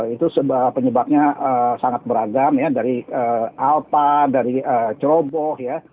itu penyebabnya sangat beragam ya dari alpa dari ceroboh ya